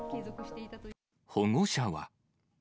保護者は。